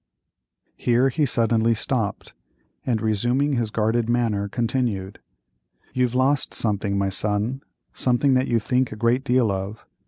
Here he suddenly stopped, and resuming his guarded manner, continued: "You've lost something, my son; something that you think a great deal of.